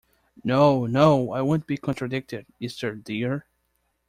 No, no, I won't be contradicted, Esther dear!